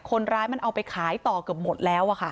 คนร้ายมันเอาไปขายต่อเกือบหมดแล้วอะค่ะ